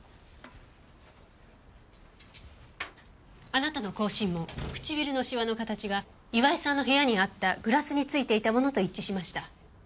あなたの口唇紋唇のしわの形は岩井さんの部屋にあったグラスについていたものと一致しました。